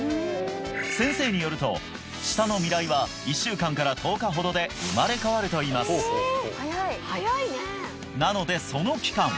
先生によると舌の味蕾は１週間から１０日ほどで生まれ変わるといいますなのでその期間